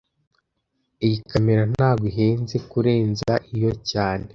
Iyi kamera ntago ihenze kurenza iyo cyane